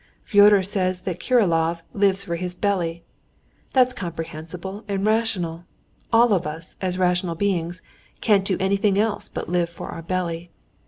"Fyodor says that Kirillov lives for his belly. That's comprehensible and rational. All of us as rational beings can't do anything else but live for our belly.